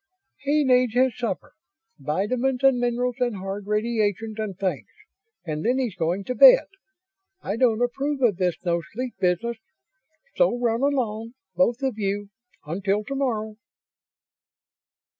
"He needs his supper. Vitamins and minerals and hard radiations and things, and then he's going to bed. I don't approve of this no sleep business. So run along, both of you, until tomorrow."